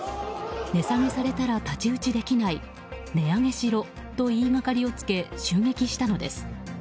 値下げされたら太刀打ちできない値上げしろと言いがかりをつけ襲撃したのです。